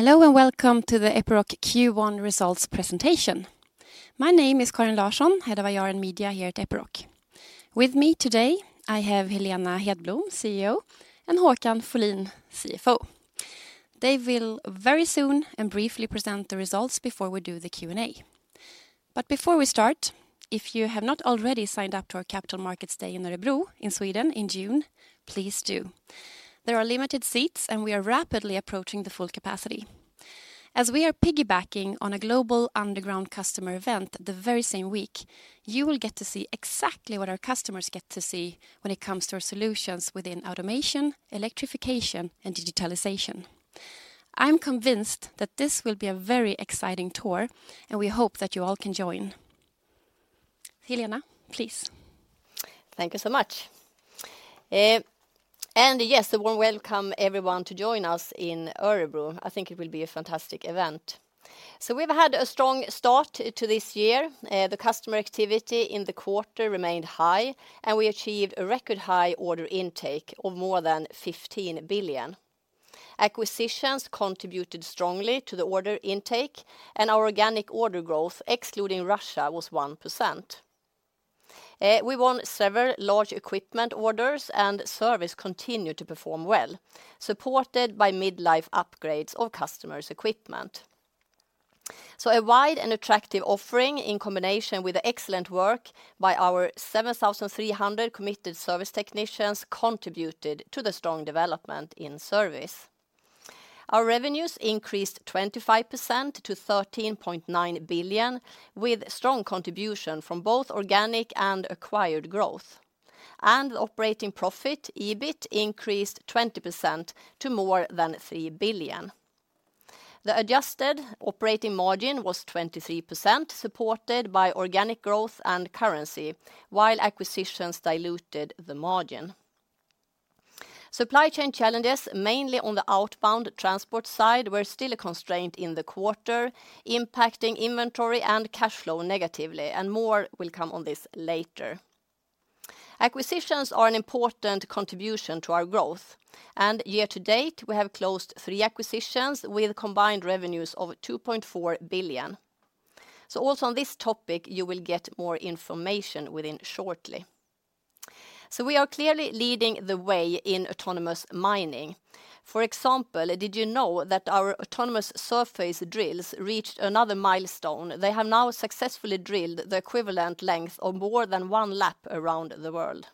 Hello, welcome to the Epiroc Q1 results presentation. My name is Karin Larsson, Head of IR & Media here at Epiroc. With me today, I have Helena Hedblom, Chief Executive Officer, and Håkan Folin, Chief Financial Officer. They will very soon and briefly present the results before we do the Q&A. Before we start, if you have not already signed up to our Capital Markets Day in Örebro in Sweden in June, please do. There are limited seats, and we are rapidly approaching the full capacity. As we are piggybacking on a global underground customer event the very same week, you will get to see exactly what our customers get to see when it comes to our solutions within automation, electrification, and digitalization. I'm convinced that this will be a very exciting tour, and we hope that you all can join. Helena, please. Thank you so much. Yes, a warm welcome everyone to join us in Örebro. I think it will be a fantastic event. We've had a strong start to this year. The customer activity in the quarter remained high, and we achieved a record high order intake of more than 15 billion. Acquisitions contributed strongly to the order intake, and our organic order growth, excluding Russia, was 1%. We won several large equipment orders, and service continued to perform well, supported by mid-life upgrades of customers' equipment. A wide and attractive offering in combination with the excellent work by our 7,300 committed service technicians contributed to the strong development in service. Our revenues increased 25% to 13.9 billion, with strong contribution from both organic and acquired growth. Operating profit, EBIT, increased 20% to more than 3 billion. The adjusted operating margin was 23%, supported by organic growth and currency, while acquisitions diluted the margin. Supply chain challenges, mainly on the outbound transport side, were still a constraint in the quarter, impacting inventory and cash flow negatively. More will come on this later. Acquisitions are an important contribution to our growth. Year to date, we have closed three acquisitions with combined revenues of 2.4 billion. Also on this topic, you will get more information within shortly. We are clearly leading the way in autonomous mining. For example, did you know that our autonomous surface drills reached another milestone? They have now successfully drilled the equivalent length of more than one lap around the world.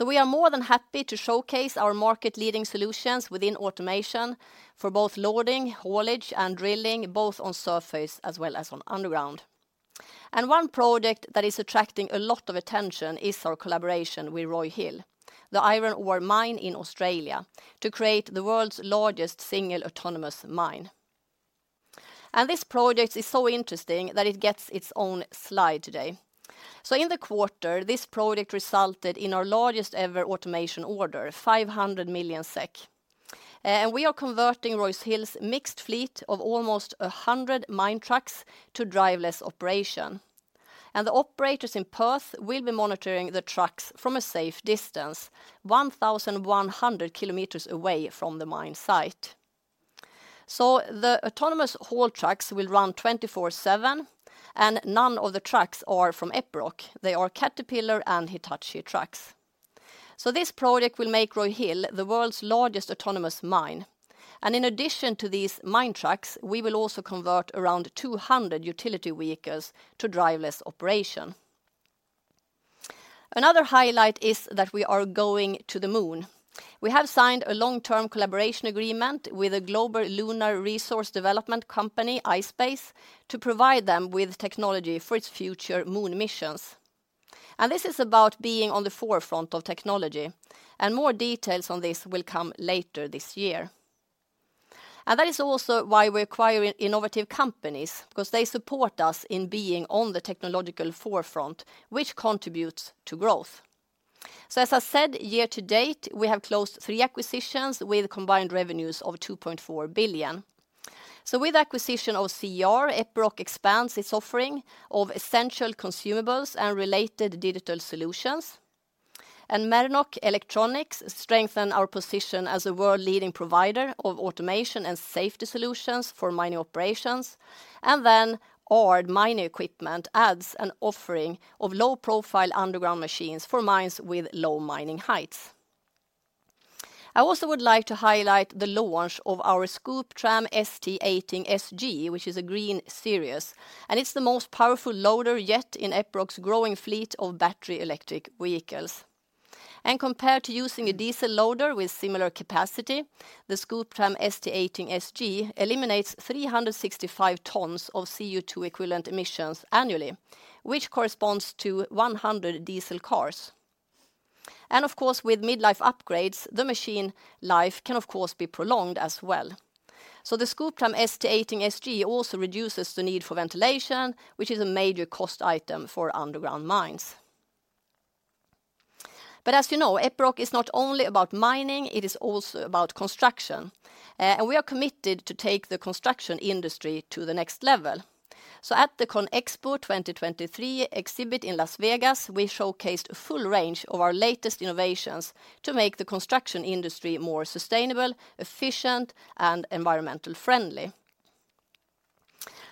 We are more than happy to showcase our market leading solutions within automation for both loading, haulage, and drilling, both on surface as well as on underground. One project that is attracting a lot of attention is our collaboration with Roy Hill, the iron ore mine in Australia, to create the world's largest single autonomous mine. This project is so interesting that it gets its own slide today. In the quarter, this project resulted in our largest ever automation order, 500 million SEK. We are converting Roy Hill's mixed fleet of almost 100 mine trucks to driverless operation. The operators in Perth will be monitoring the trucks from a safe distance, 1,100 km away from the mine site. The autonomous haul trucks will run 24/7, and none of the trucks are from Epiroc. They are Caterpillar and Hitachi trucks. This project will make Roy Hill the world's largest autonomous mine. In addition to these mine trucks, we will also convert around 200 utility vehicles to driverless operation. Another highlight is that we are going to the Moon. We have signed a long-term collaboration agreement with a global lunar resource development company, ispace, to provide them with technology for its future Moon missions. This is about being on the forefront of technology, and more details on this will come later this year. That is also why we're acquiring innovative companies, because they support us in being on the technological forefront, which contributes to growth. As I said, year to date, we have closed three acquisitions with combined revenues of 2.4 billion. With acquisition of CR, Epiroc expands its offering of essential consumables and related digital solutions. Mernok Elektronik strengthen our position as a world leading provider of automation and safety solutions for mining operations. AARD Mining Equipment adds an offering of low-profile underground machines for mines with low mining heights. I also would like to highlight the launch of our Scooptram ST18 SG, which is a green series, and it's the most powerful loader yet in Epiroc's growing fleet of battery electric vehicles. Compared to using a diesel loader with similar capacity, the Scooptram ST18 SG eliminates 365 tons of CO2 equivalent emissions annually, which corresponds to 100 diesel cars. Of course, with mid-life upgrades, the machine life can of course be prolonged as well. The Scooptram ST18 SG also reduces the need for ventilation, which is a major cost item for underground mines. As you know, Epiroc is not only about mining, it is also about construction. And we are committed to take the construction industry to the next level. So at the CONEXPO 2023 exhibit in Las Vegas, we showcased a full range of our latest innovations to make the construction industry more sustainable, efficient, and environmental friendly.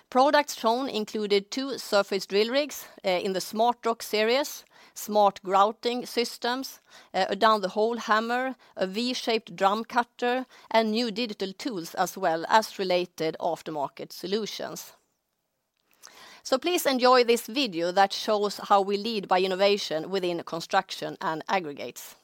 Products shown included two surface drill rigs in the SmartROC series, smart grouting systems, a down-the-hole hammer, a V-shaped drum cutter, and new digital tools as well as related aftermarket solutions. Please enjoy this video that shows how we lead by innovation within construction and aggregates.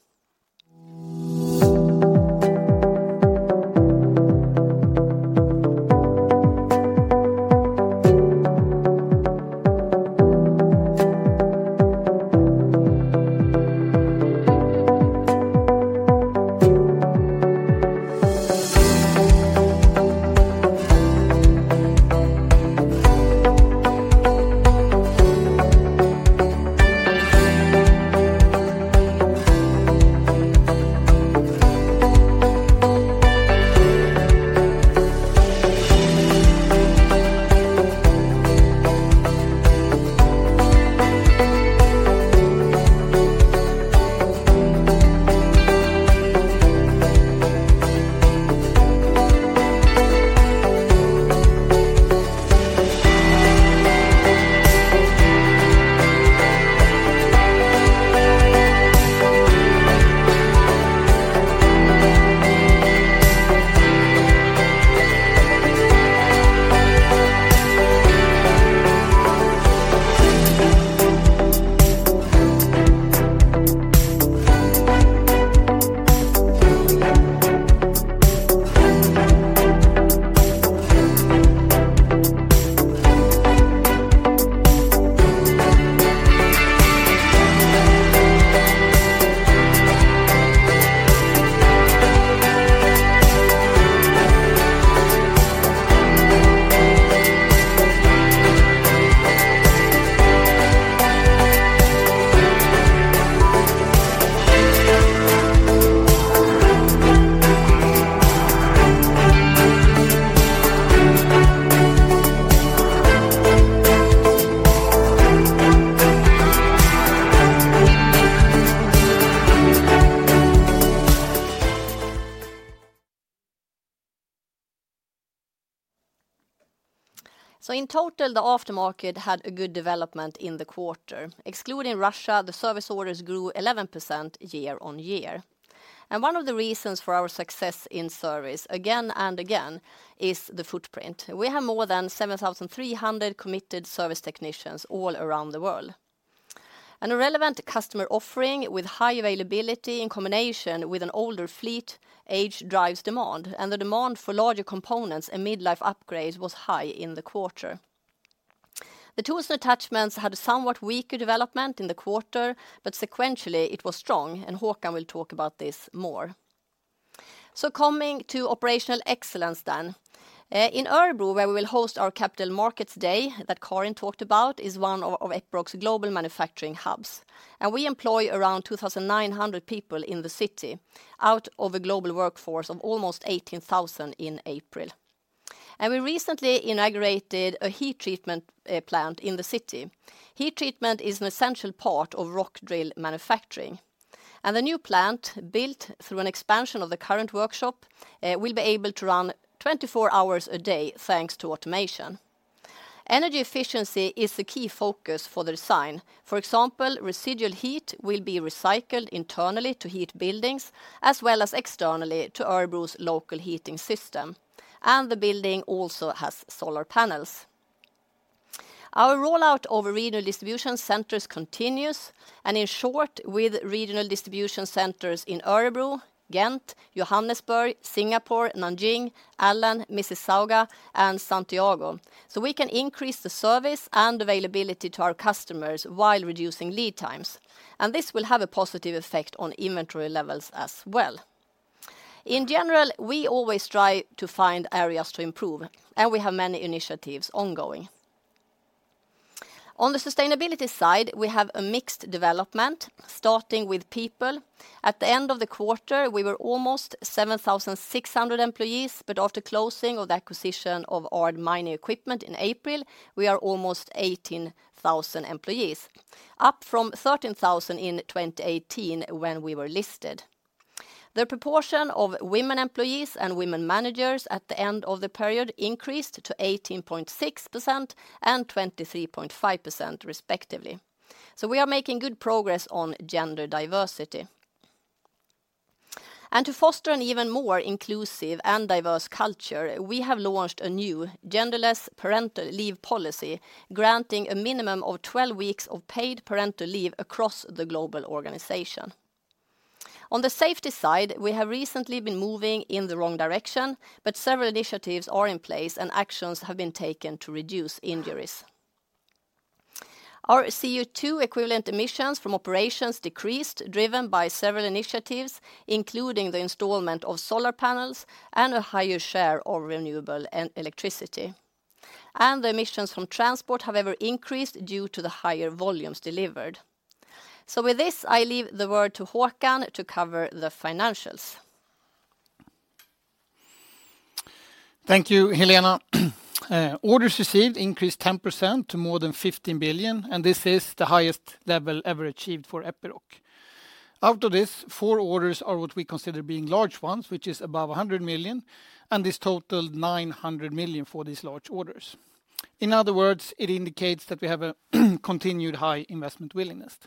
In total, the aftermarket had a good development in the quarter. Excluding Russia, the service orders grew 11% year-on-year. One of the reasons for our success in service again and again is the footprint. We have more than 7,300 committed service technicians all around the world. A relevant customer offering with high availability in combination with an older fleet age drives demand, and the demand for larger components and mid-life upgrades was high in the quarter. The tools and attachments had a somewhat weaker development in the quarter, but sequentially it was strong, and Håkan will talk about this more. Coming to operational excellence then. In Örebro, where we will host our Capital Markets Day that Karin talked about, is one of Epiroc's global manufacturing hubs. We employ around 2,900 people in the city, out of a global workforce of almost 18,000 in April. We recently inaugurated a heat treatment plant in the city. Heat treatment is an essential part of rock drill manufacturing. The new plant, built through an expansion of the current workshop, will be able to run 24 hours a day thanks to automation. Energy efficiency is a key focus for the design. For example, residual heat will be recycled internally to heat buildings as well as externally to Örebro's local heating system. The building also has solar panels. Our rollout of regional distribution centers continues, and in short, with regional distribution centers in Örebro, Ghent, Johannesburg, Singapore, Nanjing, Allen, Mississauga, and Santiago so we can increase the service and availability to our customers while reducing lead times. This will have a positive effect on inventory levels as well. In general, we always try to find areas to improve, and we have many initiatives ongoing. On the sustainability side, we have a mixed development, starting with people. At the end of the quarter, we were almost 7,600 employees, but after closing of the acquisition of AARD Mining Equipment in April, we are almost 18,000 employees, up from 13,000 in 2018 when we were listed. The proportion of women employees and women managers at the end of the period increased to 18.6% and 23.5% respectively. We are making good progress on gender diversity. To foster an even more inclusive and diverse culture, we have launched a new genderless parental leave policy granting a minimum of 12 weeks of paid parental leave across the global organization. On the safety side, we have recently been moving in the wrong direction, but several initiatives are in place, and actions have been taken to reduce injuries. Our CO2-equivalent emissions from operations decreased, driven by several initiatives, including the installment of solar panels and a higher share of renewable electricity. The emissions from transport have ever increased due to the higher volumes delivered. With this, I leave the word to Håkan to cover the financials. Thank you, Helena. Orders received increased 10% to more than 15 billion. This is the highest level ever achieved for Epiroc. Out of this, four orders are what we consider being large ones, which is above 100 million. This totaled 900 million for these large orders. In other words, it indicates that we have a continued high investment willingness.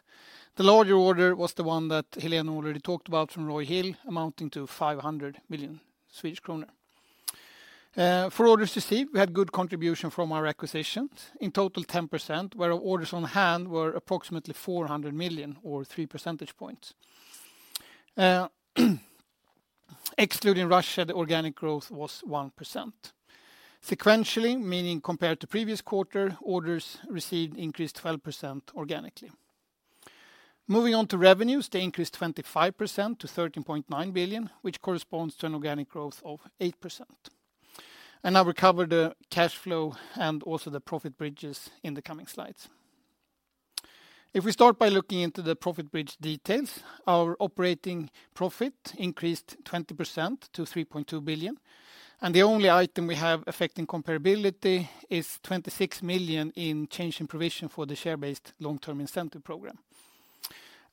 The larger order was the one that Helena already talked about from Roy Hill, amounting to 500 million Swedish kronor. For orders received, we had good contribution from our acquisitions. In total, 10%, where our orders on hand were approximately 400 million or 3 percentage points. Excluding Russia, the organic growth was 1%. Sequentially, meaning compared to previous quarter, orders received increased 12% organically. Moving on to revenues, they increased 25% to 13.9 billion, which corresponds to an organic growth of 8%. I will cover the cash flow and also the profit bridges in the coming slides. If we start by looking into the profit bridge details, our operating profit increased 20% to 3.2 billion, and the only item we have affecting comparability is 26 million in change in provision for the share-based long-term incentive program.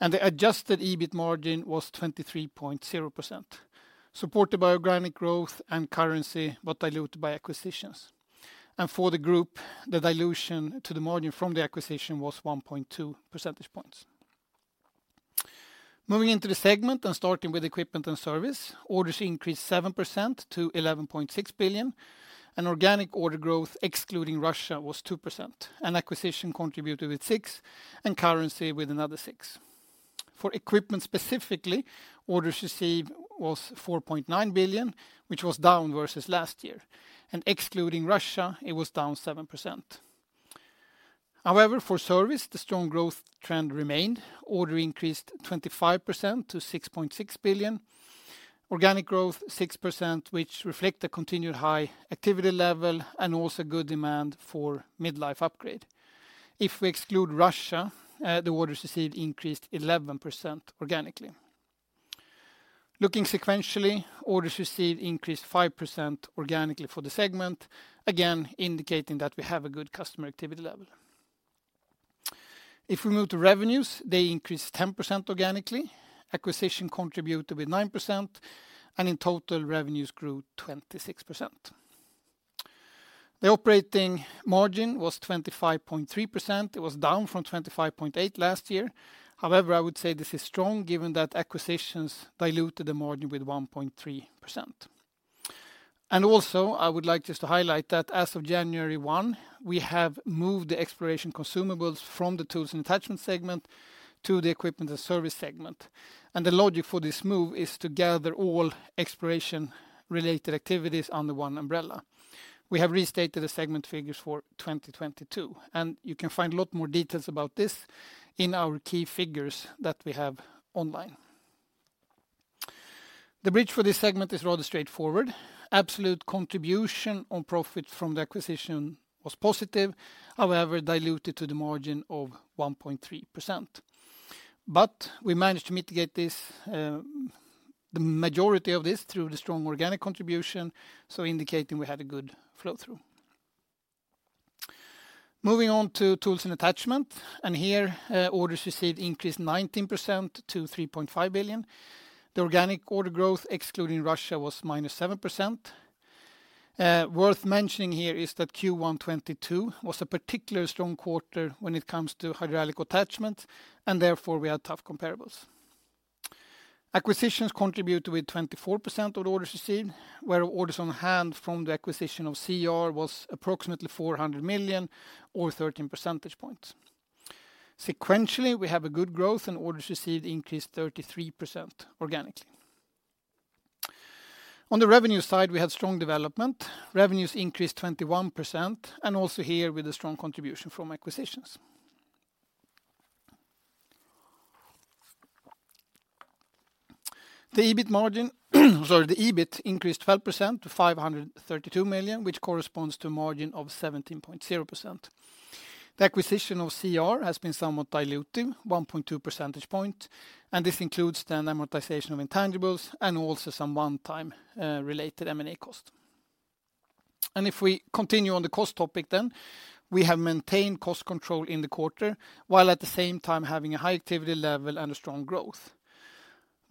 The adjusted EBIT margin was 23.0%, supported by organic growth and currency, but diluted by acquisitions. For the group, the dilution to the margin from the acquisition was 1.2 percentage points. Moving into the segment and starting with Equipment & Service, orders increased 7% to 11.6 billion, and organic order growth, excluding Russia, was 2%. Acquisition contributed with 6, and currency with another 6. For equipment specifically, orders received was 4.9 billion, which was down versus last year. Excluding Russia, it was down 7%. For service, the strong growth trend remained. Order increased 25% to 6.6 billion. Organic growth, 6%, which reflect the continued high activity level and also good demand for mid-life upgrade. If we exclude Russia, the orders received increased 11% organically. Looking sequentially, orders received increased 5% organically for the segment, again indicating that we have a good customer activity level. If we move to revenues, they increased 10% organically. Acquisition contributed with 9%. In total, revenues grew 26%. The operating margin was 25.3%. It was down from 25.8% last year. I would say this is strong given that acquisitions diluted the margin with 1.3%. I would like just to highlight that as of January 1, we have moved the exploration consumables from the Tools & Attachments segment to the Equipment & Service segment. The logic for this move is to gather all exploration-related activities under one umbrella. We have restated the segment figures for 2022, and you can find a lot more details about this in our key figures that we have online. The bridge for this segment is rather straightforward. Absolute contribution on profit from the acquisition was positive, however, diluted to the margin of 1.3%. We managed to mitigate this, the majority of this through the strong organic contribution, so indicating we had a good flow-through. Moving on to Tools & Attachments, here, orders received increased 19% to 3.5 billion. The organic order growth, excluding Russia, was -7%. Worth mentioning here is that Q1 2022 was a particularly strong quarter when it comes to hydraulic attachments, therefore we had tough comparables. Acquisitions contributed with 24% of orders received, where our orders on hand from the acquisition of CR was approximately 400 million or 13 percentage points. Sequentially, we have a good growth, orders received increased 33% organically. On the revenue side, we had strong development. Revenues increased 21%, also here with a strong contribution from acquisitions. The EBIT margin, sorry, the EBIT increased 12% to 532 million, which corresponds to a margin of 17.0%. The acquisition of CR has been somewhat dilutive, 1.2 percentage point, and this includes the amortization of intangibles and also some one-time related M&A cost. If we continue on the cost topic then, we have maintained cost control in the quarter, while at the same time having a high activity level and a strong growth.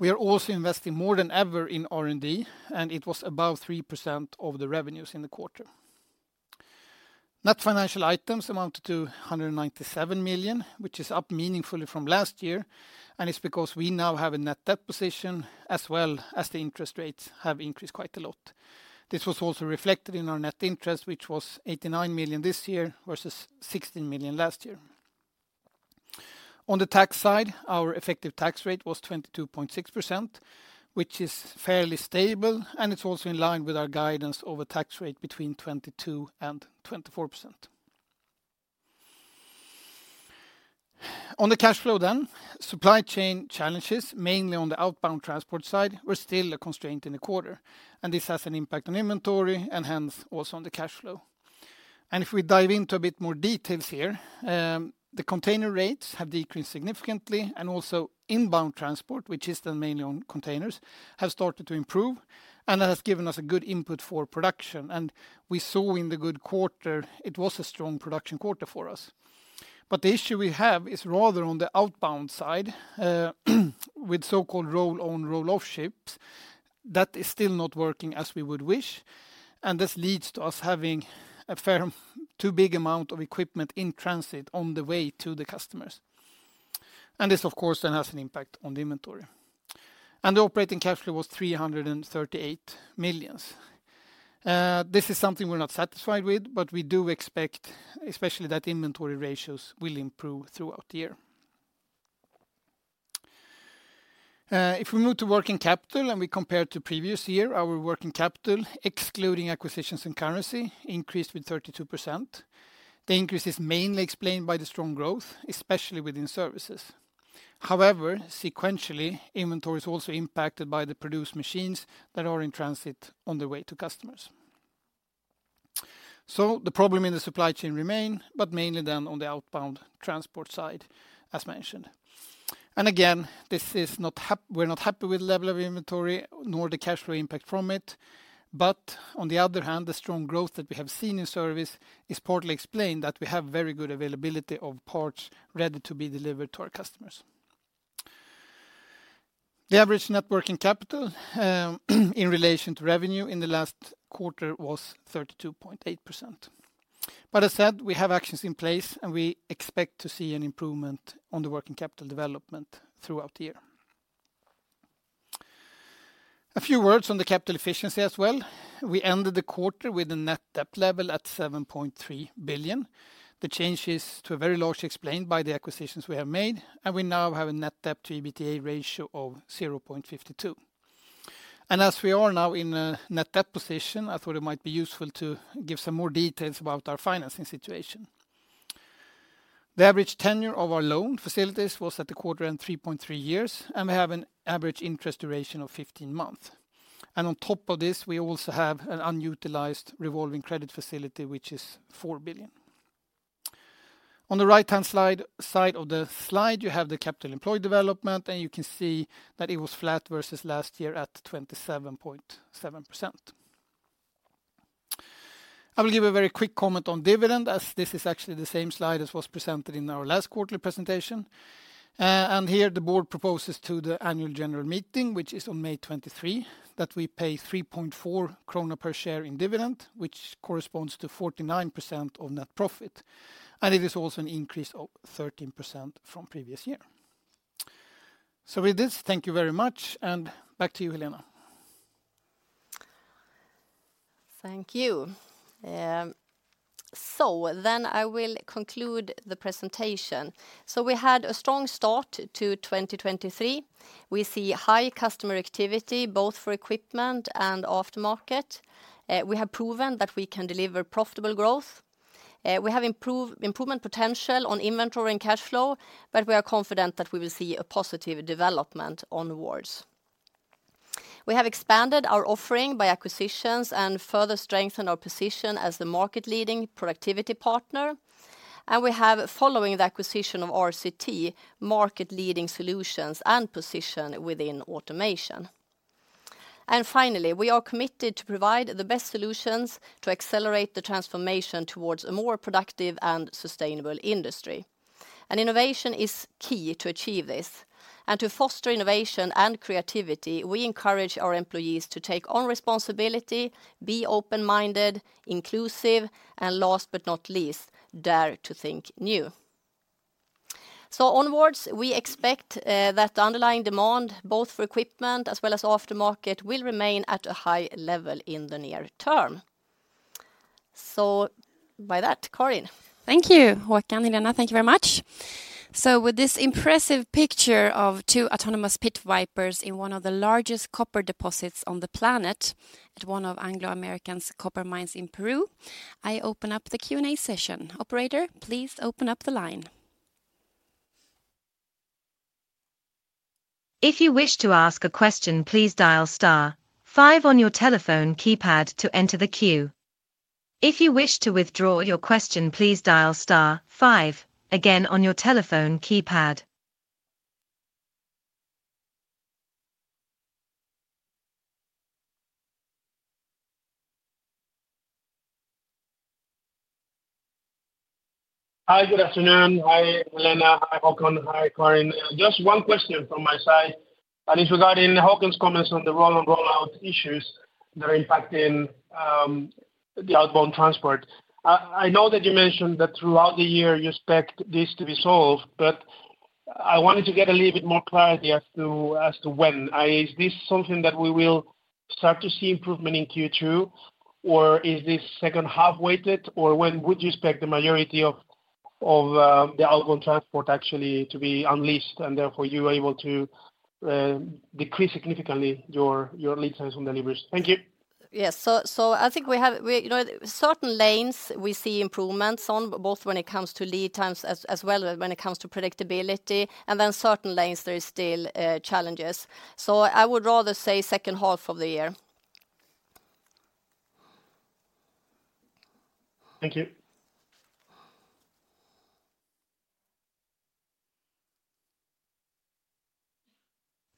We are also investing more than ever in R&D, it was above 3% of the revenues in the quarter. Net financial items amounted to 197 million, which is up meaningfully from last year, it's because we now have a net debt position, as well as the interest rates have increased quite a lot. This was also reflected in our net interest, which was 89 million this year versus 16 million last year. On the tax side, our effective tax rate was 22.6%, which is fairly stable, and it's also in line with our guidance of a tax rate between 22% and 24%. On the cash flow, supply chain challenges, mainly on the outbound transport side, were still a constraint in the quarter. This has an impact on inventory and hence also on the cash flow. If we dive into a bit more details here, the container rates have decreased significantly. Also inbound transport, which is done mainly on containers, has started to improve. That has given us a good input for production. We saw in the good quarter it was a strong production quarter for us. The issue we have is rather on the outbound side, with so-called roll-on/roll-off ships, that is still not working as we would wish, and this leads to us having a fair, too big amount of equipment in transit on the way to the customers. This of course then has an impact on the inventory. The operating cash flow was 338 million. This is something we're not satisfied with, but we do expect, especially that inventory ratios will improve throughout the year. If we move to working capital and we compare to previous year, our working capital, excluding acquisitions and currency, increased with 32%. The increase is mainly explained by the strong growth, especially within services. Sequentially, inventory is also impacted by the produced machines that are in transit on their way to customers. The problem in the supply chain remain, but mainly then on the outbound transport side as mentioned. This is not we're not happy with level of inventory nor the cash flow impact from it, but on the other hand, the strong growth that we have seen in service is partly explained that we have very good availability of parts ready to be delivered to our customers. The average net working capital in relation to revenue in the last quarter was 32.8%. As said, we have actions in place, and we expect to see an improvement on the working capital development throughout the year. A few words on the capital efficiency as well. We ended the quarter with a net debt level at 7.3 billion. The change is to a very large explained by the acquisitions we have made. We now have a net debt-t- EBITDA ratio of 0.52x. As we are now in a net debt position, I thought it might be useful to give some more details about our financing situation. The average tenure of our loan facilities was at the quarter end 3.3 years, and we have an average interest duration of 15 months. On top of this, we also have an unutilized revolving credit facility, which is 4 billion. On the right-hand side of the slide, you have the capital employed development, and you can see that it was flat versus last year at 27.7%. I will give a very quick comment on dividend as this is actually the same slide as was presented in our last quarterly presentation. Here the board proposes to the annual general meeting, which is on May 23, that we pay 3.4 krona per share in dividend, which corresponds to 49% of net profit. It is also an increase of 13% from previous year. With this, thank you very much, and back to you, Helena. Thank you. I will conclude the presentation. We had a strong start to 2023. We see high customer activity, both for equipment and aftermarket. We have proven that we can deliver profitable growth. We have improvement potential on inventory and cash flow, but we are confident that we will see a positive development onwards. We have expanded our offering by acquisitions and further strengthened our position as the market-leading productivity partner. We have, following the acquisition of RCT, market-leading solutions and position within automation. Finally, we are committed to provide the best solutions to accelerate the transformation towards a more productive and sustainable industry. Innovation is key to achieve this. To foster innovation and creativity, we encourage our employees to take on responsibility, be open-minded, inclusive, and last but not least, dare to think new. Onwards, we expect that underlying demand, both for equipment as well as aftermarket, will remain at a high level in the near term. By that, Karin. Thank you, Håkan, Helena. Thank you very much. With this impressive picture of two autonomous Pit Vipers in one of the largest copper deposits on the planet at one of Anglo American's copper mines in Peru, I open up the Q&A session. Operator, please open up the line. If you wish to ask a question, please dial star five on your telephone keypad to enter the queue. If you wish to withdraw your question, please dial star five again on your telephone keypad. Hi, good afternoon. Hi Helena. Hi Håkan. Hi Karin. Just one question from my side. It's regarding Håkan's comments on the roll-on/roll-off issues that are impacting the outbound transport. I know that you mentioned that throughout the year you expect this to be solved. I wanted to get a little bit more clarity as to when. Is this something that we will start to see improvement in Q2, or is this second half-weighted, or when would you expect the majority of the outbound transport actually to be unleashed and therefore you are able to decrease significantly your lead times on deliveries? Thank you. Yes. I think we have, you know, certain lanes we see improvements on, both when it comes to lead times as well when it comes to predictability, and then certain lanes there is still challenges. I would rather say second half of the year. Thank you.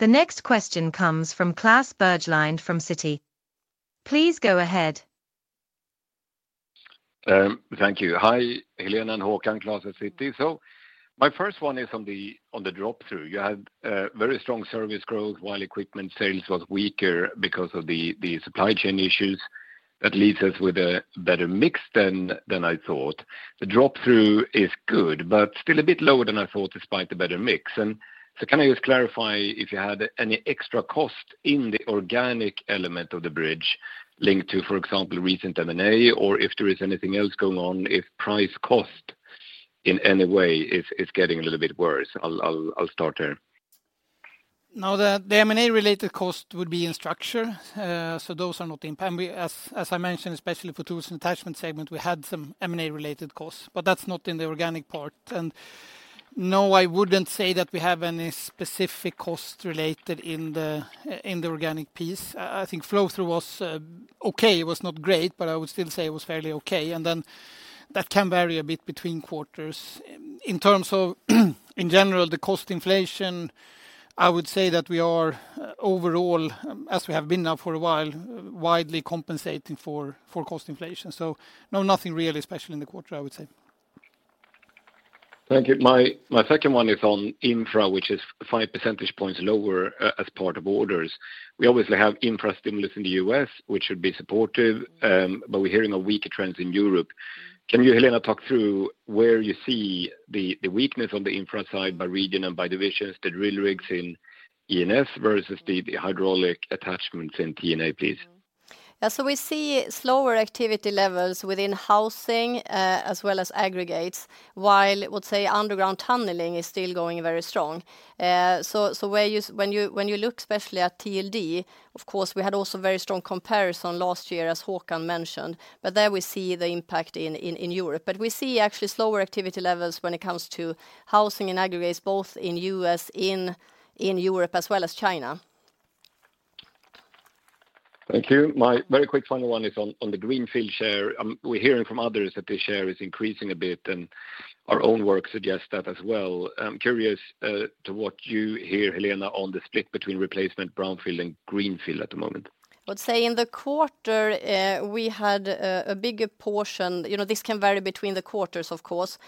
The next question comes from Klas Bergelind from Citi. Please go ahead. Thank you. Hi, Helena and Håkan. Klas Bergelind at Citi. My first one is on the drop-through. You had very strong service growth while equipment sales was weaker because of the supply chain issues. That leaves us with a better mix than I thought. The drop-through is good, but still a bit lower than I thought despite the better mix. Can I just clarify if you had any extra cost in the organic element of the bridge linked to, for example, recent M&A or if there is anything else going on, if price cost in any way is getting a little bit worse? I'll start there. No. The M&A related cost would be in structure. Those are not in. As I mentioned, especially for Tools and Attachment segment, we had some M&A related costs, but that's not in the organic part. No, I wouldn't say that we have any specific cost related in the organic piece. I think flow-through was okay. It was not great, but I would still say it was fairly okay. Then that can vary a bit between quarters. In terms of in general, the cost inflation, I would say that we are overall, as we have been now for a while, widely compensating for cost inflation. No, nothing really special in the quarter, I would say. Thank you. My second one is on infra, which is 5 percentage points lower as part of orders. We obviously have infra stimulus in the U.S., which should be supportive, but we're hearing of weaker trends in Europe. Can you, Helena, talk through where you see the weakness on the infra side by region and by divisions, the drill rigs in E&S versus the hydraulic attachments in T&A, please? Yeah. We see slower activity levels within housing, as well as aggregates, while I would say underground tunneling is still going very strong. When you look especially at T&A, of course, we had also very strong comparison last year, as Håkan mentioned. There we see the impact in Europe. We see actually slower activity levels when it comes to housing and aggregates, both in U.S., in Europe as well as China. Thank you. My very quick final one is on the greenfield share. We're hearing from others that this share is increasing a bit, and our own work suggests that as well. I'm curious to what you hear, Helena, on the split between replacement brownfield and greenfield at the moment. I would say in the quarter, we had a bigger portion. You know, this can vary between the quarters, of course.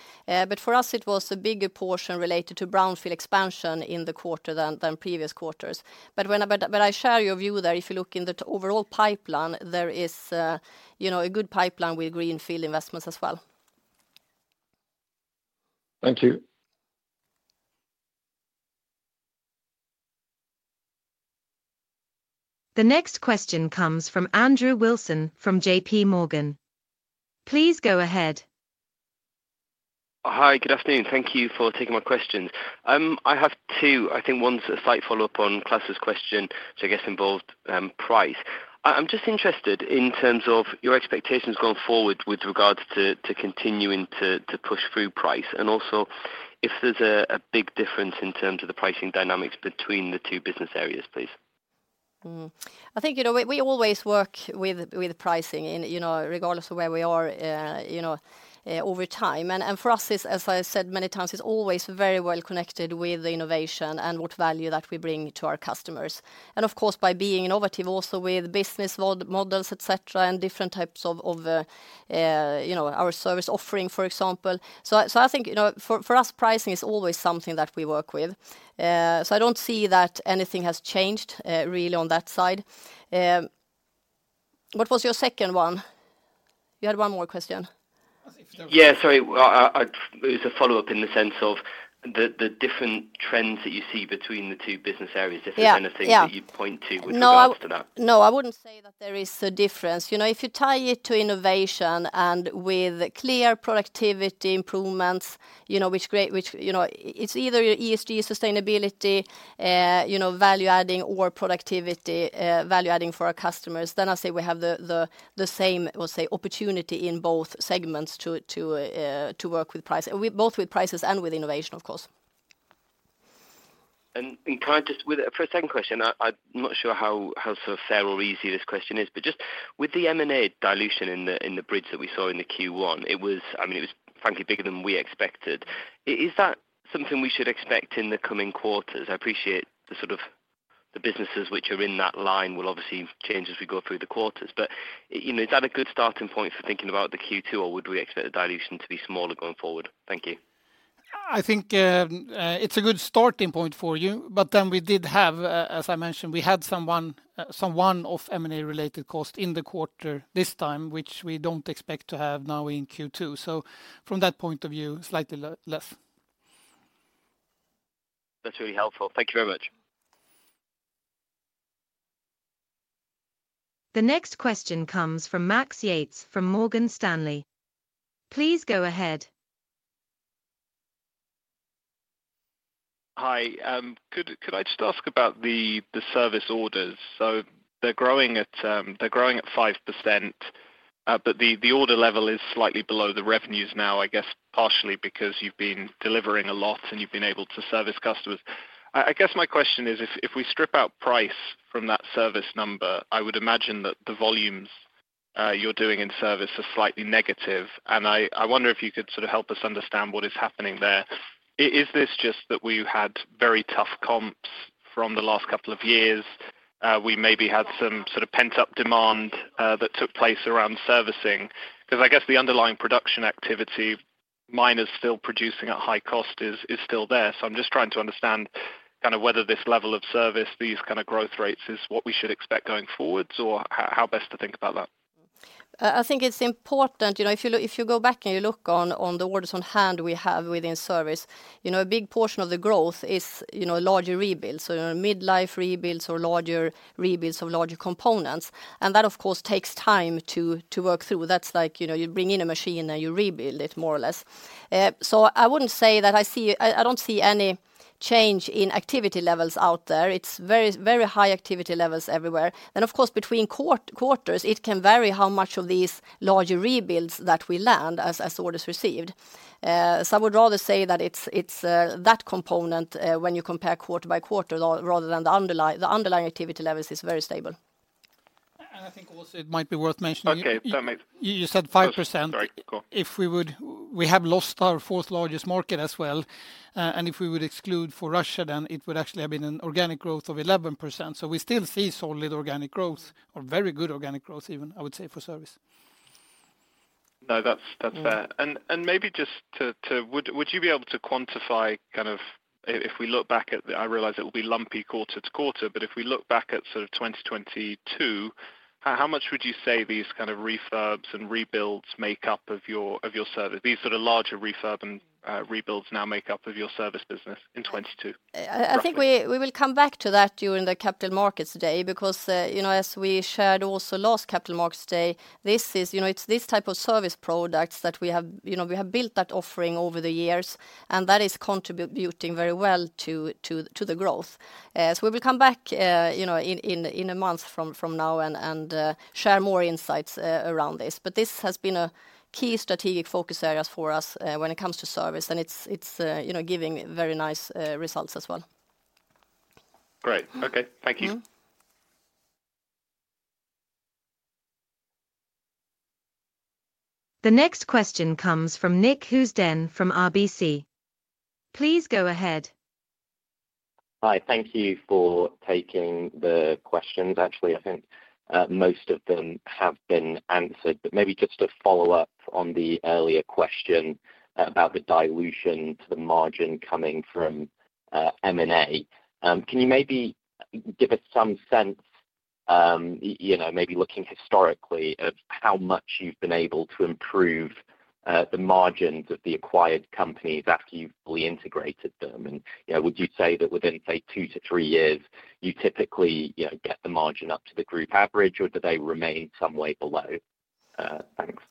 For us it was a bigger portion related to brownfield expansion in the quarter than previous quarters. I share your view there. If you look in the overall pipeline, there is, you know, a good pipeline with greenfield investments as well. Thank you. The next question comes from Andrew Wilson from JPMorgan. Please go ahead. Hi. Good afternoon. Thank you for taking my questions. I have two. I think one's a slight follow-up on Klas' question, I guess involved price. I'm just interested in terms of your expectations going forward with regards to continuing to push through price and also if there's a big difference in terms of the pricing dynamics between the two business areas, please. I think, you know, we always work with pricing in, you know, regardless of where we are, you know, over time. For us, it's, as I said many times, it's always very well connected with the innovation and what value that we bring to our customers. Of course, by being innovative also with business models, et cetera, and different types of, you know, our service offering, for example. I think, you know, for us, pricing is always something that we work with. I don't see that anything has changed really on that side. What was your second one? You had one more question. Yeah, sorry. It was a follow-up in the sense of the different trends that you see between the two business areas. Yeah. Different kind of things that you'd point to with regards to that. No. No, I wouldn't say that there is a difference. You know, if you tie it to innovation and with clear productivity improvements, you know, which create, you know, It's either ESG, sustainability, you know, value adding or productivity, value adding for our customers, then I say we have the same, we'll say, opportunity in both segments to work with price. With both prices and with innovation, of course. Can I just for a second question, I'm not sure how sort of fair or easy this question is, but just with the M&A dilution in the bridge that we saw in the Q1, it was, I mean, it was frankly bigger than we expected. Is that something we should expect in the coming quarters? I appreciate the sort of the businesses which are in that line will obviously change as we go through the quarters. You know, is that a good starting point for thinking about the Q2, or would we expect the dilution to be smaller going forward? Thank you. I think, it's a good starting point for you. We did have, as I mentioned, we had some one-off M&A related cost in the quarter this time, which we don't expect to have now in Q2. From that point of view, slightly less. That's really helpful. Thank you very much. The next question comes from Max Yates from Morgan Stanley. Please go ahead. Hi. Could I just ask about the service orders? They're growing at 5%, but the order level is slightly below the revenues now, I guess partially because you've been delivering a lot and you've been able to service customers. I guess my question is, if we strip out price from that service number, I would imagine that the volumes you're doing in service are slightly negative, and I wonder if you could sort of help us understand what is happening there. Is this just that we've had very tough comps from the last couple of years? We maybe had some sort of pent-up demand that took place around servicing? Because I guess the underlying production activity, mine is still producing at high cost is still there. I'm just trying to understand kinda whether this level of service, these kinda growth rates is what we should expect going forwards, or how best to think about that. I think it's important, you know, if you go back and you look on the orders on hand we have within service, you know, a big portion of the growth is, you know, larger rebuilds. You know, mid-life rebuilds or larger rebuilds of larger components. That, of course, takes time to work through. That's like, you know, you bring in a machine and you rebuild it more or less. I wouldn't say that I don't see any change in activity levels out there. It's very, very high activity levels everywhere. Of course, between quarters, it can vary how much of these larger rebuilds that we land as orders received. I would rather say that it's that component when you compare quarter-by-quarter rather than the underlying activity levels is very stable. I think also it might be worth mentioning- Okay. Sorry, mate. You said 5%. Sorry. Go on. We have lost our fourth largest market as well. If we would exclude for Russia, it would actually have been an organic growth of 11%. We still see solid organic growth or very good organic growth even, I would say, for service. No, that's fair. Maybe just to, would you be able to quantify kind of if we look back at the, I realize it will be lumpy quarter to quarter, but if we look back at sort of 2022, how much would you say these kind of refurbs and rebuilds make up of your service? These sort of larger refurb and rebuilds now make up of your service business in 2022 roughly? I think we will come back to that during the Capital Markets Day because, you know, as we shared also last Capital Markets Day, this is, you know. It's this type of service products that we have, you know, built that offering over the years, and that is contributing very well to the growth. We will come back, you know, in a month from now and share more insights around this. This has been a key strategic focus areas for us, when it comes to service, and it's, you know, giving very nice results as well. Great. Okay. Thank you. The next question comes from Nick Housden from RBC. Please go ahead. Hi. Thank you for taking the questions. Actually, I think, most of them have been answered. Maybe just a follow-up on the earlier question about the dilution to the margin coming from M&A. Can you maybe give us some sense, you know, maybe looking historically of how much you've been able to improve, the margins of the acquired companies after you've fully integrated them? You know, would you say that within, say, two to three years, you typically, you know, get the margin up to the group average, or do they remain some way below? Thanks.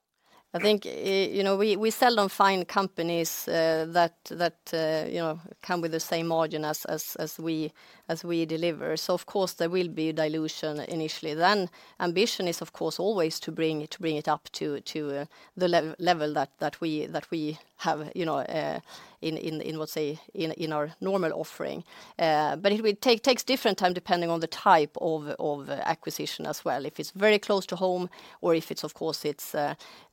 I think, you know, we seldom find companies that, you know, come with the same margin as we deliver. Of course, there will be dilution initially. Ambition is, of course, always to bring it up to the level that we have, you know, in, let's say, in our normal offering. It would take different time depending on the type of acquisition as well. If it's very close to home or if it's, of course, it's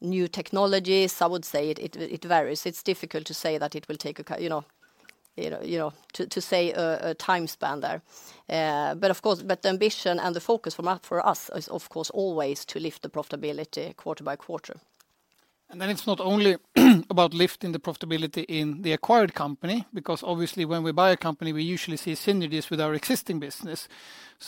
new technologies, I would say it varies. It's difficult to say that it will take a you know, to say a time span there. Of course, but the ambition and the focus for us is, of course, always to lift the profitability quarter-by-quarter. It's not only about lifting the profitability in the acquired company, because obviously when we buy a company, we usually see synergies with our existing business.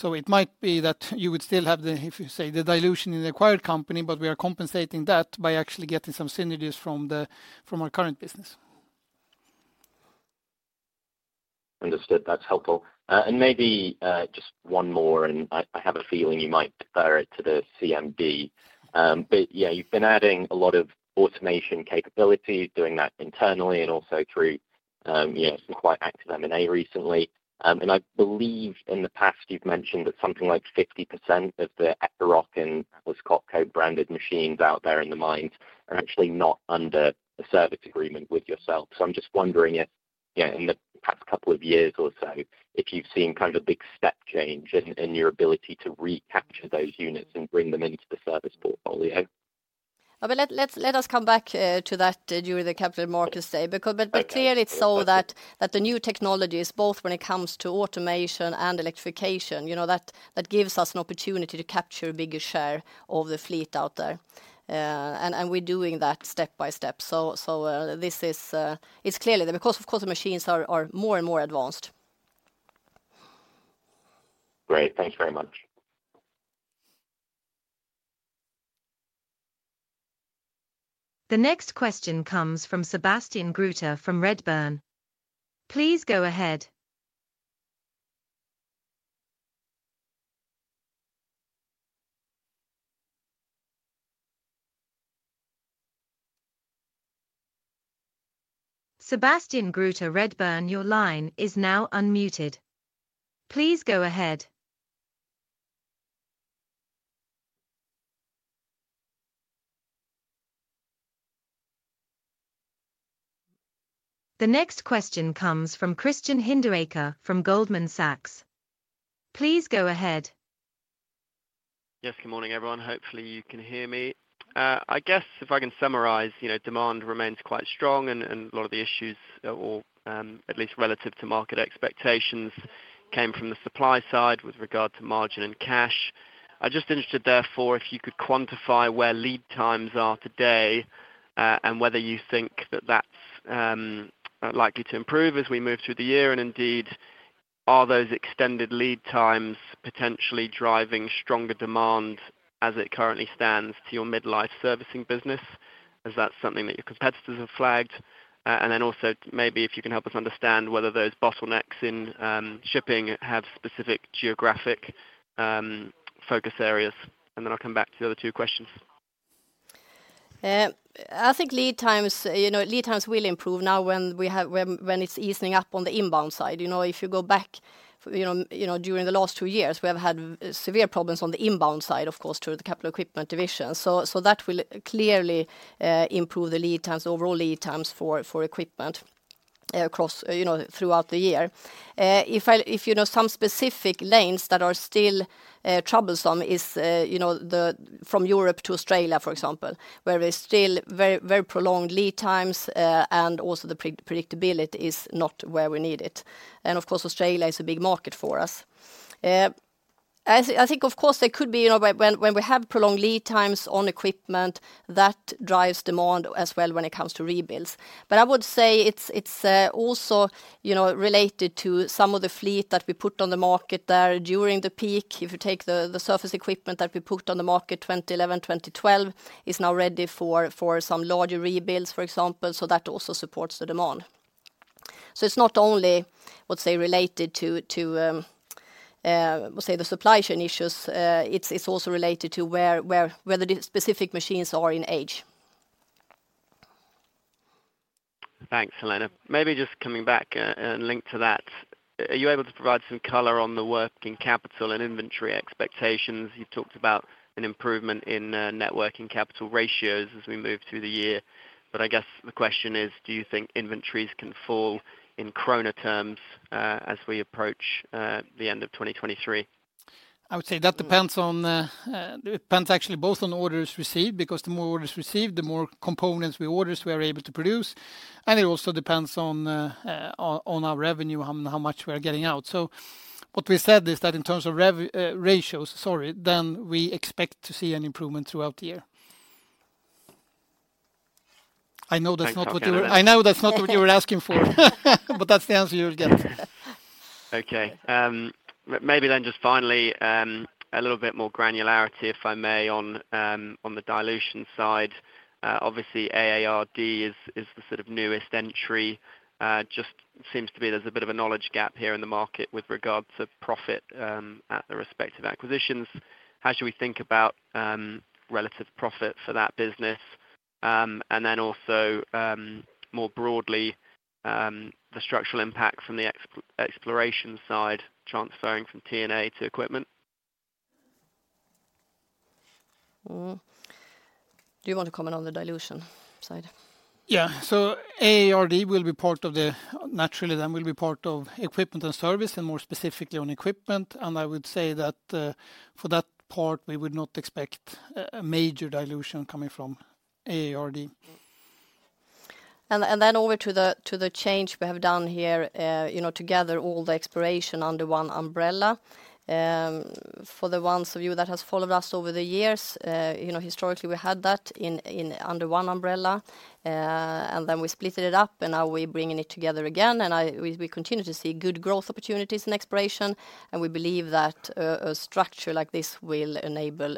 It might be that you would still have the, if you say, the dilution in the acquired company, but we are compensating that by actually getting some synergies from the, from our current business. Understood. That's helpful. Maybe just one more, and I have a feeling you might defer it to the CMD. Yeah, you've been adding a lot of automation capabilities, doing that internally and also through some quite active M&A recently. I believe in the past you've mentioned that something like 50% of the Epiroc and Atlas Copco branded machines out there in the mines are actually not under a service agreement with yourself. I'm just wondering if, in the past couple of years or so, if you've seen kind of big step change in your ability to recapture those units and bring them into the service portfolio. Let us come back to that during the Capital Markets Day. Okay. Clearly- Thank you.... it's so that the new technologies, both when it comes to automation and electrification, you know, that gives us an opportunity to capture a bigger share of the fleet out there. We're doing that step by step. This is, it's clearly there, because of course the machines are more and more advanced. Great. Thanks very much. The next question comes from Sebastien Gruter from Redburn. Please go ahead. Sébastien Gruter, Redburn, your line is now unmuted. Please go ahead. The next question comes from Christian Hinderaker from Goldman Sachs. Please go ahead. Yes, good morning, everyone. Hopefully, you can hear me. I guess if I can summarize, you know, demand remains quite strong and a lot of the issues or, at least relative to market expectations came from the supply side with regard to margin and cash. I'm just interested, therefore, if you could quantify where lead times are today, and whether you think that that's likely to improve as we move through the year? Indeed, are those extended lead times potentially driving stronger demand as it currently stands to your mid-life servicing business as that's something that your competitors have flagged? Also maybe if you can help us understand whether those bottlenecks in shipping have specific geographic focus areas, and then I'll come back to the other two questions. I think lead times will improve now when it's easing up on the inbound side. If you go back, during the last two years, we have had severe problems on the inbound side, of course, to the capital equipment division. That will clearly improve the lead times, overall lead times for equipment across throughout the year. If you know some specific lanes that are still troublesome is from Europe to Australia, for example, where there's still very prolonged lead times, and also the predictability is not where we need it. Of course, Australia is a big market for us. I think of course there could be, you know, when we have prolonged lead times on equipment that drives demand as well when it comes to rebuilds. I would say it's also, you know, related to some of the fleet that we put on the market there during the peak. If you take the surface equipment that we put on the market 2011, 2012 is now ready for some larger rebuilds, for example. That also supports the demand. It's not only, let's say, related to say the supply chain issues, it's also related to whether the specific machines are in age. Thanks, Helena. Maybe just coming back, and linked to that, are you able to provide some color on the working capital and inventory expectations? You've talked about an improvement in networking capital ratios as we move through the year. I guess the question is, do you think inventories can fall in krona terms, as we approach the end of 2023? I would say that depends actually both on orders received, because the more orders received, the more components we order, so we are able to produce. It also depends on our revenue, how much we are getting out. What we said is that in terms of ratios, sorry, we expect to see an improvement throughout the year. I know that's not. Thanks. Copy that. I know that's not what you were asking for, but that's the answer you'll get. Okay. Maybe then just finally, a little bit more granularity, if I may, on the dilution side. Obviously, AARD is the sort of newest entry. Just seems to be there's a bit of a knowledge gap here in the market with regards of profit, at the respective acquisitions. How should we think about relative profit for that business? Also, more broadly, the structural impact from the ex-exploration side transferring from T&A to equipment. Do you want to comment on the dilution side? AARD will be part of naturally, then will be part of Equipment and Service, and more specifically on equipment. I would say that for that part, we would not expect a major dilution coming from AARD. Then over to the change we have done here, you know, to gather all the exploration under one umbrella. For the ones of you that has followed us over the years, you know, historically, we had that under one umbrella, and then we splitted it up, and now we're bringing it together again. We continue to see good growth opportunities in exploration, and we believe that, a structure like this will enable,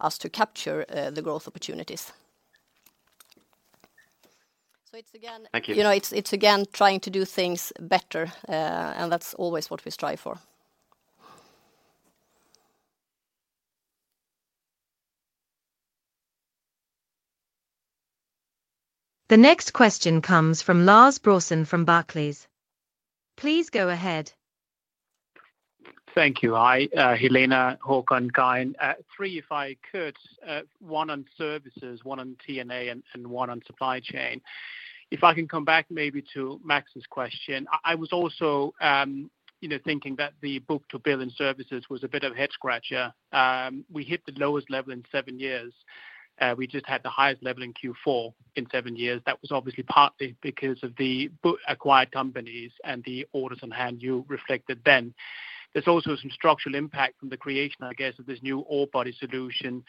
us to capture, the growth opportunities. It's again. Thank you. You know, it's again trying to do things better, that's always what we strive for. The next question comes from Lars Brorson from Barclays. Please go ahead. Thank you. Hi, Helena, Håkan, Kai. Three, if I could, one on services, one on T&A, and one on supply chain. If I can come back maybe to Max's question. I was also, you know, thinking that the book-to-bill in services was a bit of a head-scratcher. We hit the lowest level in seven years. We just had the highest level in Q4 in seven years. That was obviously partly because of the acquired companies and the orders on hand you reflected then. There's also some structural impact from the creation, I guess, of this new all-body solution.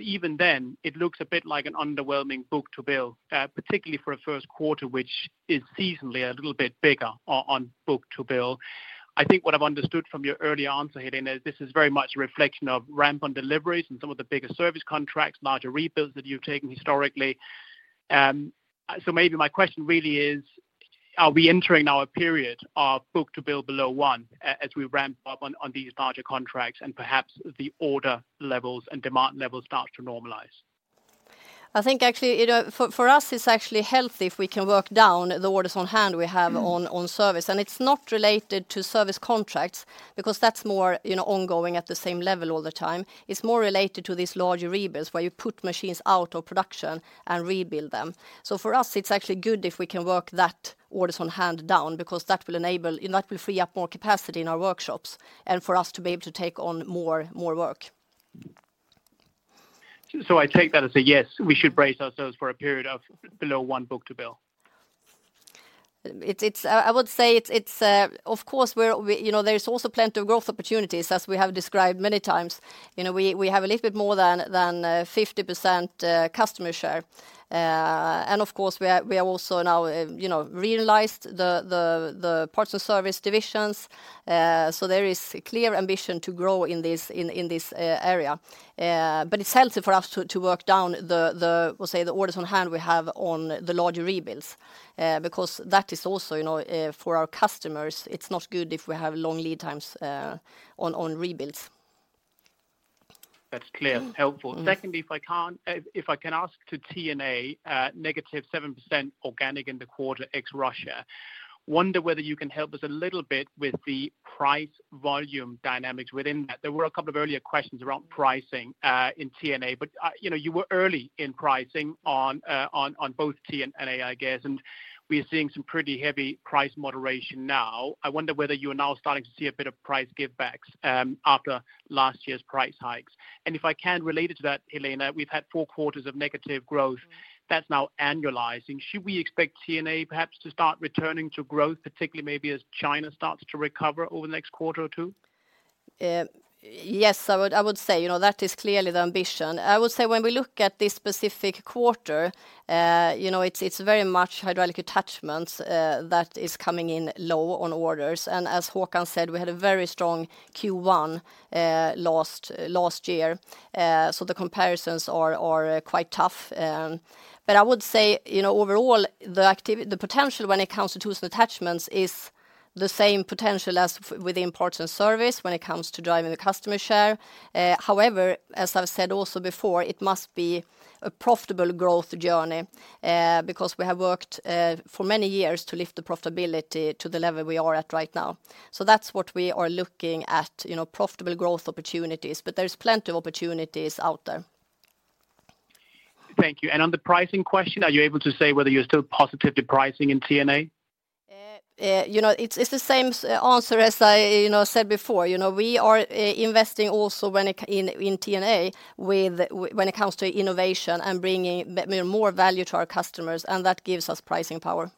Even then, it looks a bit like an underwhelming book-to-bill, particularly for a Q1, which is seasonally a little bit bigger on book-to-bill. I think what I've understood from your earlier answer, Helena, is this is very much a reflection of ramp on deliveries and some of the bigger service contracts, larger rebuilds that you've taken historically. Maybe my question really is, are we entering now a period of book-to-bill below one as we ramp up on these larger contracts and perhaps the order levels and demand levels start to normalize? I think actually, you know, for us, it's actually healthy if we can work down the orders on hand we have on service. It's not related to service contracts because that's more, you know, ongoing at the same level all the time. It's more related to these larger rebuilds where you put machines out of production and rebuild them. For us, it's actually good if we can work that orders on hand down because that will free up more capacity in our workshops and for us to be able to take on more work. I take that as a yes. We should brace ourselves for a period of below one book-to-bill. It's, I would say it's, of course we, you know, there is also plenty of growth opportunities, as we have described many times. You know, we have a little bit more than 50% customer share. And of course we are, we are also now, you know, realized the parts and service divisions. So there is clear ambition to grow in this, in this area. But it's healthy for us to work down the, we'll say, the orders on hand we have on the larger rebuilds, because that is also, you know, for our customers, it's not good if we have long lead times on rebuilds. That's clear. Helpful. Secondly, if I can ask to T&A,-7% organic in the quarter ex-Russia. Wonder whether you can help us a little bit with the price volume dynamics within that. There were a couple of earlier questions around pricing in T&A, but, you know, you were early in pricing on both T and A, I guess. We are seeing some pretty heavy price moderation now. I wonder whether you are now starting to see a bit of price givebacks after last year's price hikes. If I can relate it to that, Helena, we've had four quarters of negative growth that's now annualizing. Should we expect T&A perhaps to start returning to growth, particularly maybe as China starts to recover over the next quarter or two? Yes, I would say, you know, that is clearly the ambition. I would say when we look at this specific quarter, you know, it's very much hydraulic attachments that is coming in low on orders. As Håkan said, we had a very strong Q1 last year. The comparisons are quite tough. I would say, you know, overall the potential when it comes to tools and attachments is the same potential as within parts and service when it comes to driving the customer share. However, as I've said also before, it must be a profitable growth journey because we have worked for many years to lift the profitability to the level we are at right now. That's what we are looking at, you know, profitable growth opportunities. There's plenty of opportunities out there. Thank you. On the pricing question, are you able to say whether you're still positive to pricing in T&A? You know, it's the same answer as I, you know, said before. You know, we are investing also in T&A when it comes to innovation and bringing more value to our customers. That gives us pricing power.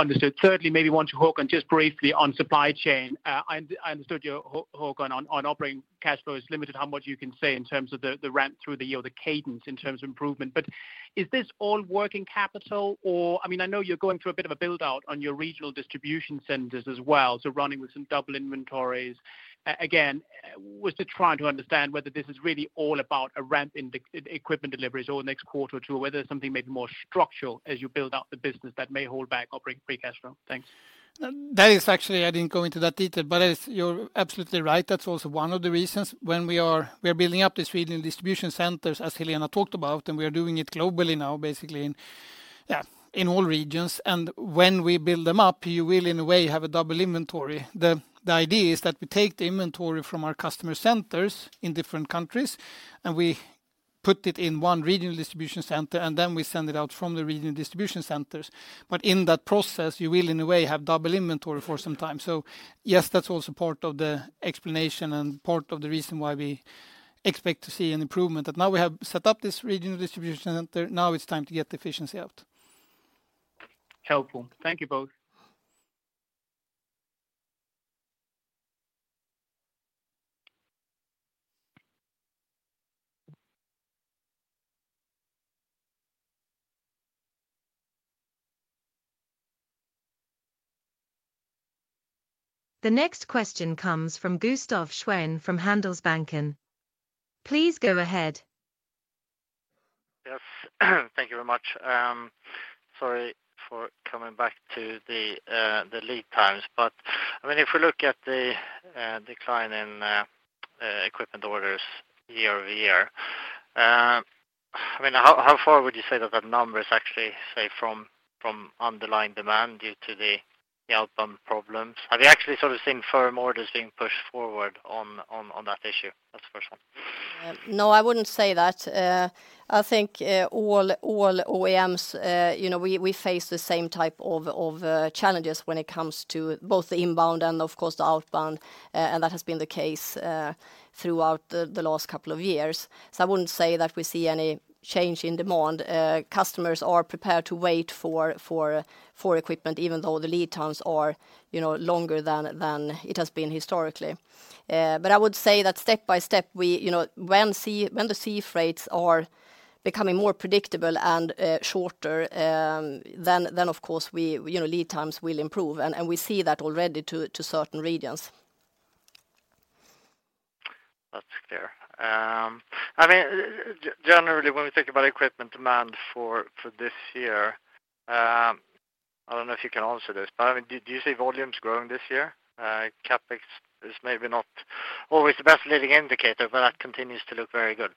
Understood. Thirdly, maybe one to Håkan, just briefly on supply chain. I understood your, Håkan, on operating cash flow is limited how much you can say in terms of the ramp through the year, the cadence in terms of improvement. Is this all working capital or... I mean, I know you're going through a bit of a build-out on your regional distribution centers as well, so running with some double inventories. Again, was to try to understand whether this is really all about a ramp in the equipment deliveries over the next quarter or two, or whether there's something maybe more structural as you build out the business that may hold back operating free cash flow? Thanks. That is actually, I didn't go into that detail, but it's you're absolutely right. That's also one of the reasons when we are building up this regional distribution centers as Helena talked about, and we are doing it globally now, basically in, yeah, in all regions. When we build them up, you will in a way have a double inventory. The idea is that we take the inventory from our customer centers in different countries, and we put it in one regional distribution center, and then we send it out from the regional distribution centers. In that process, you will in a way have double inventory for some time. Yes, that's also part of the explanation and part of the reason why we expect to see an improvement. Now we have set up this regional distribution center. Now it's time to get the efficiency out. Helpful. Thank you both. The next question comes from Gustaf Schwerin from Handelsbanken. Please go ahead. Yes. Thank you very much. Sorry for coming back to the lead times. I mean, if we look at the decline in equipment orders year-over-year, I mean, how far would you say that that number is actually, say, from underlying demand due to the outbound problems? Have you actually sort of seen firm orders being pushed forward on that issue? That's the first one. No, I wouldn't say that. I think all OEMs, you know, we face the same type of challenges when it comes to both the inbound and of course the outbound, and that has been the case throughout the last couple of years. I wouldn't say that we see any change in demand. Customers are prepared to wait for equipment, even though the lead times are, you know, longer than it has been historically. I would say that step by step, we, you know, when the sea freights are becoming more predictable and shorter, then of course we, you know, lead times will improve. We see that already to certain regions. That's clear. I mean, generally, when we think about equipment demand for this year. I don't know if you can answer this, but I mean, do you see volumes growing this year? CapEx is maybe not always the best leading indicator, but that continues to look very good.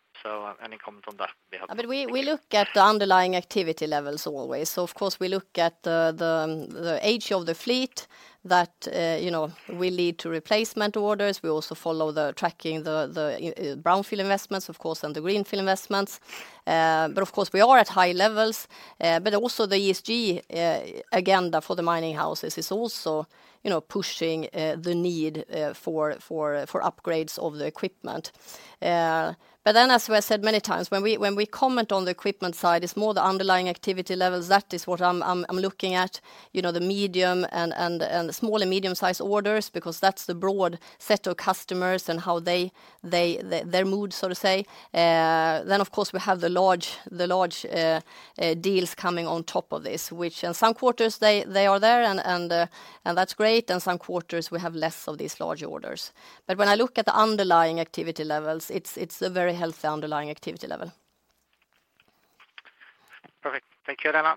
Any comment on that would be helpful. I mean, we look at the underlying activity levels always. Of course, we look at the age of the fleet that, you know, will lead to replacement orders. We also follow the tracking the brownfield investments, of course, and the greenfield investments. Of course, we are at high levels. Also the ESG agenda for the mining houses is also, you know, pushing the need for upgrades of the equipment. As we have said many times, when we comment on the equipment side, it's more the underlying activity levels. That is what I'm looking at, you know, the medium and the small and medium-sized orders because that's the broad set of customers and how they their mood, so to say. Of course, we have the large deals coming on top of this, which in some quarters they are there and that's great, and some quarters we have less of these large orders. When I look at the underlying activity levels, it's a very healthy underlying activity level. Perfect. Thank you, Helena.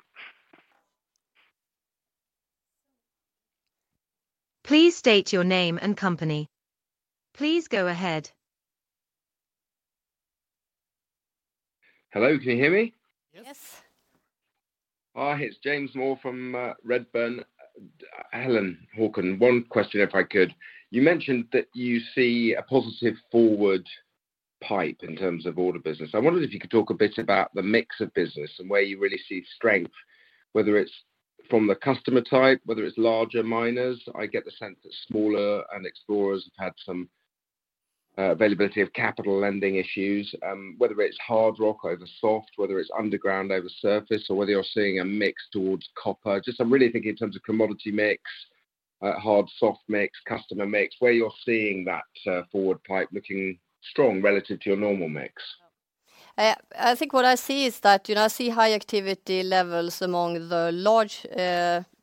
Please state your name and company. Please go ahead. Hello, can you hear me? Yes. Yes. Hi, it's James Moore from Redburn. Helen, Håkan, one question if I could. You mentioned that you see a positive forward pipe in terms of order business. I wondered if you could talk a bit about the mix of business and where you really see strength, whether it's from the customer type, whether it's larger miners. I get the sense that smaller and explorers have had some availability of capital lending issues, whether it's hard rock over soft, whether it's underground over surface, or whether you're seeing a mix towards copper. Just I'm really thinking in terms of commodity mix, hard, soft mix, customer mix, where you're seeing that forward pipe looking strong relative to your normal mix. I think what I see is that, you know, I see high activity levels among the large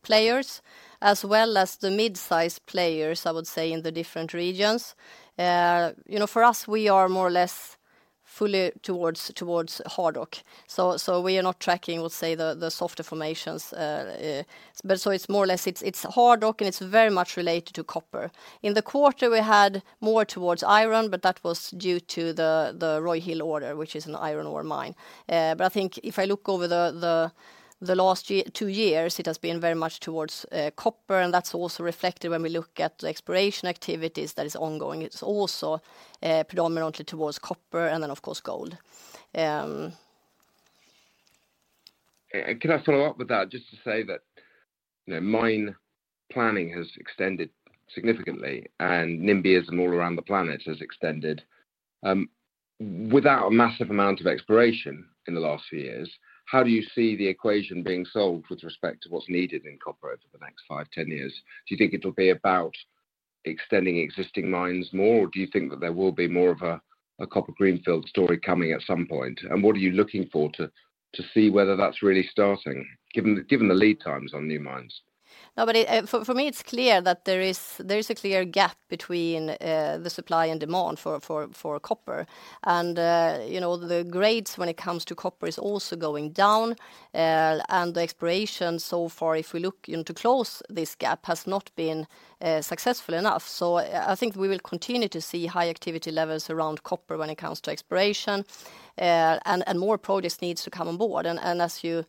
players as well as the mid-size players, I would say, in the different regions. You know, for us, we are more or less fully towards hard rock. We are not tracking, we'll say, the softer formations, but so it's more or less it's hard rock, and it's very much related to copper. In the quarter, we had more towards iron, but that was due to the Roy Hill order, which is an iron ore mine. I think if I look over the last year-two years, it has been very much towards copper, and that's also reflected when we look at the exploration activities that is ongoing. It's also, predominantly towards copper and then, of course, gold. Can I follow up with that just to say that, you know, mine planning has extended significantly and NIMBYism all around the planet has extended without a massive amount of exploration in the last few years. How do you see the equation being solved with respect to what's needed in copper over the next five, 10 years? Do you think it'll be about extending existing mines more, or do you think that there will be more of a copper greenfield story coming at some point? And what are you looking for to see whether that's really starting, given the, given the lead times on new mines? No, but it, for me, it's clear that there is a clear gap between the supply and demand for copper. You know, the grades when it comes to copper is also going down. The exploration so far, if we look in to close this gap, has not been successful enough. I think we will continue to see high activity levels around copper when it comes to exploration. More projects needs to come on board. As you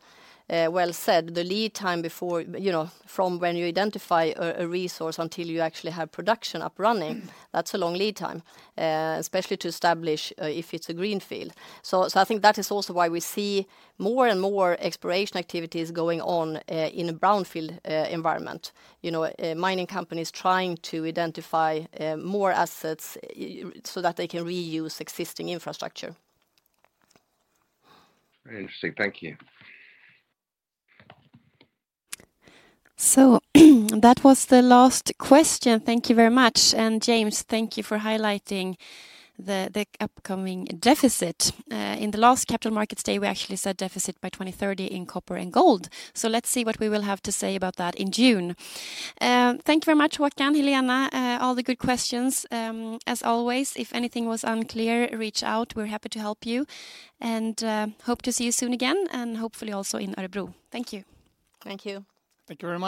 well said, the lead time before, you know, from when you identify a resource until you actually have production up running, that's a long lead time, especially to establish if it's a greenfield. I think that is also why we see more and more exploration activities going on in a brownfield environment. You know, mining companies trying to identify more assets so that they can reuse existing infrastructure. Very interesting. Thank you. That was the last question. Thank you very much. James, thank you for highlighting the upcoming deficit. In the last Capital Markets Day, we actually said deficit by 2030 in copper and gold. Let's see what we will have to say about that in June. Thank you very much, Håkan, Helena, all the good questions. As always, if anything was unclear, reach out. We're happy to help you. Hope to see you soon again, and hopefully also in Örebro. Thank you. Thank you. Thank you very much.